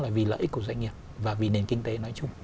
bởi vì lợi ích của doanh nghiệp và vì nền kinh tế nói chung